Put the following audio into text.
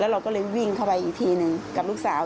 เราก็เลยวิ่งเข้าไปอีกทีหนึ่งกับลูกสาว